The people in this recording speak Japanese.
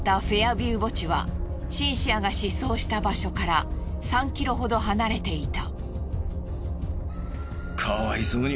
ビュー墓地はシンシアが失踪した場所から３キロほど離れていた。